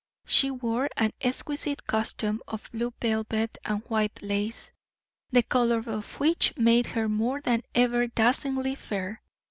She wore an exquisite costume of blue velvet and white lace, the color of which made her more than ever dazzlingly fair.